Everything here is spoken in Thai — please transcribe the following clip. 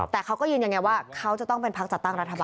แต่เขาก็ยืนยันว่าเขาจะต้องเป็นพักจัดตั้งรัฐบาล